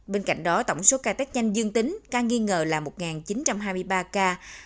bên cạnh đó tổng số ca tác nhanh dương tính ca nghi ngờ là một chín trăm hai mươi ba ca